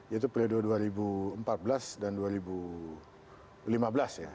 yaitu periode dua ribu empat belas dan dua ribu lima belas ya